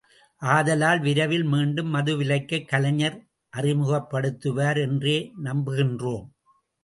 ஆதலால், விரைவில் மீண்டும் மதுவிலக்கை கலைஞர் அறிமுகப்படுத்துவார் என்றே நம்புகின்றோம்.